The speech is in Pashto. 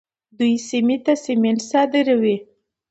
دوی سیمې ته سمنټ صادروي.